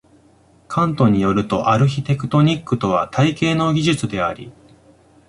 カントに依ると、アルヒテクトニックとは「体系の技術」であり、